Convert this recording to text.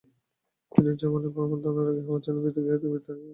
তিনি যৌবনে ব্রাহ্মধর্মের অনুরাগী হওয়ার জন্য পিতৃগৃহ থেকে বিতাড়িত হয়েছিলেন।